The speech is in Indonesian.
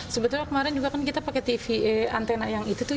sebetulnya kemarin juga kan kita pakai tv antena yang itu tuh